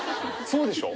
そうでしょ？